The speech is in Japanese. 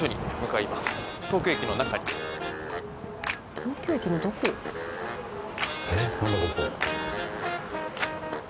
東京駅のどこ？